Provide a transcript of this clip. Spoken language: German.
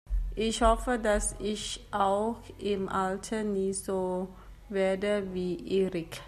Ich hoffe, dass ich auch im Alter nie so werde wie Erik.